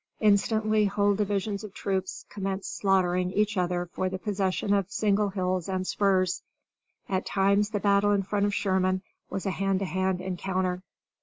Instantly whole divisions of troops commenced slaughtering each other for the possession of single hills and spurs. At times the battle in front of Sherman was a hand to hand encounter.